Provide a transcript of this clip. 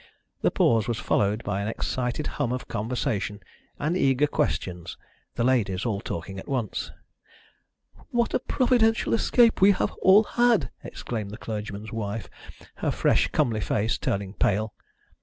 The pause was followed by an excited hum of conversation and eager questions, the ladies all talking at once. "What a providential escape we have all had!" exclaimed the clergyman's wife, her fresh comely face turning pale.